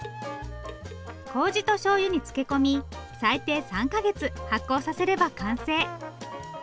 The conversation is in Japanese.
こうじとしょうゆに漬け込み最低３か月発酵させれば完成。